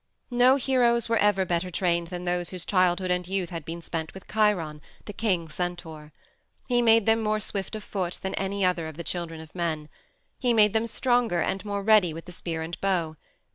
No heroes were ever better trained than those whose childhood and youth had been spent with Chiron the king centaur. He made them more swift of foot than any other of the children of men. He made them stronger and more ready with the spear and bow.